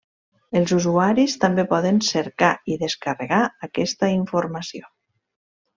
Els usuaris també poden cercar i descarregar aquesta informació.